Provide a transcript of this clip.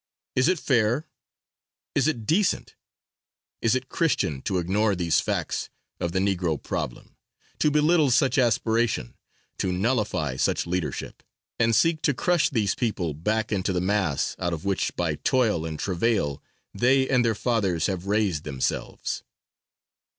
Is it fair, is it decent, is it Christian to ignore these facts of the Negro problem, to belittle such aspiration, to nullify such leadership and seek to crush these people back into the mass out of which by toil and travail, they and their fathers have raised themselves?